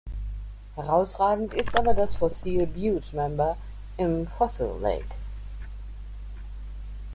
Herausragend ist aber das Fossil Butte Member im "Fossil Lake".